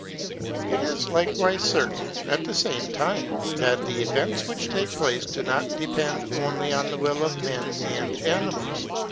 It is likewife certain, at the fame time, that the events which take place do not depend only on the will of men and animals.